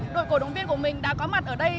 đội cổ động viên của mình đã có mặt ở đây